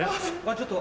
ちょっと。